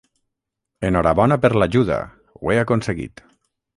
Enhorabona per l'ajuda, ho he aconseguit!